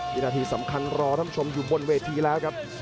วินาทีสำคัญรอท่านผู้ชมอยู่บนเวทีแล้วครับ